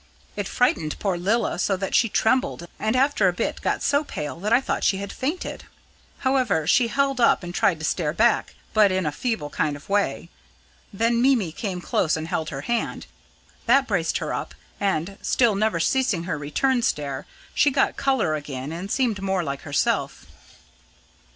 It frightened poor Lilla so that she trembled, and after a bit got so pale that I thought she had fainted. However, she held up and tried to stare back, but in a feeble kind of way. Then Mimi came close and held her hand. That braced her up, and still, never ceasing her return stare she got colour again and seemed more like herself."